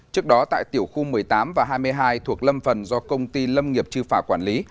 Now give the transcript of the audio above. trước đó tại tiểu khu một mươi tám và hai mươi hai thuộc lâm phần do công ty lâm nghiệp trư phả quản lý